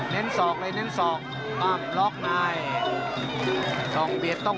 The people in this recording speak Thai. และนั้นสองเลยน้ำสอง